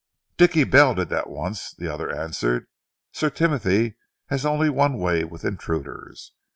"Dicky Bell did that once," the other answered. "Sir Timothy has only one way with intruders.